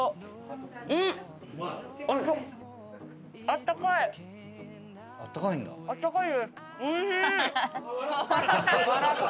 あったかいです。